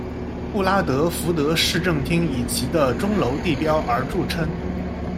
布拉德福德市政厅以其的钟楼地标而着称。